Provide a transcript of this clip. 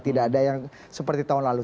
tidak ada yang seperti tahun lalu